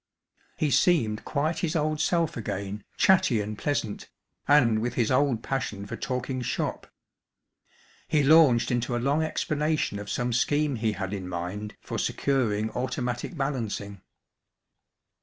He seemed quite his old self again, chatty and pleasant, and with his old passion for talking "shop." He launched into a long explanation of some scheme he had in mind for securing automatic balancing.